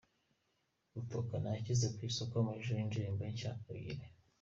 Rukotana yashyize ku isoko amashusho yindirimbo nshya ebyiri